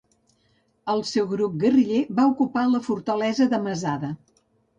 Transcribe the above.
El seu grup guerriller va ocupar la fortalesa de Masada.